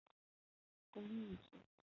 即此信号在各个频段上的功率一致。